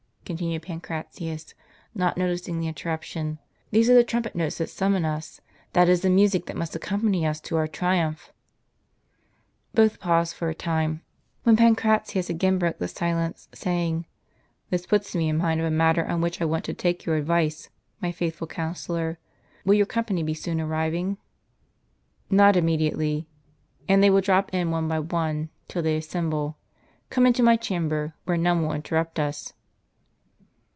continued Pancratius, not noticing the interruption. "These are the trumpet notes that summon * The place where live beasts were kept for the shows. 97 Tip w us; that is the music that must accompany us to our triumph !" Both paused for a time, when Pancratius again broke the silence, saying :" This puts me in mind of a matter on which I want to take your advice, my faithful counsellor; will your company be soon arriving?" " ISTot immediately ; and they will drop in one by one ; till they assemble, come into my chamber, where none will interrupt us."